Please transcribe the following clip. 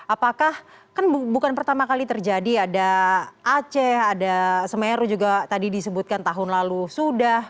apakah kan bukan pertama kali terjadi ada aceh ada semeru juga tadi disebutkan tahun lalu sudah